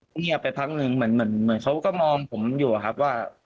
เงียบไปพักหนึ่งเหมือนเขาก็มองผมอยู่อะครับว่า